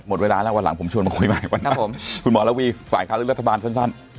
หมดเวลาแล้ววันหลังผมชวนมาคุยใหม่ค่ะครับผมคุณหมอระวีฝ่ายค้าเรื่องรัฐบาลสั้นสั้น